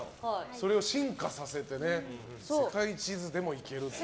それを進化させて世界地図でもいけるという。